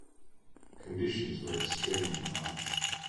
Conditions were extremely harsh.